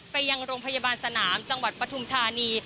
ไปยังโรงพยาบาลสนามจังหวัดปฐุมธานี